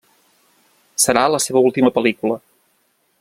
Serà la seva última pel·lícula.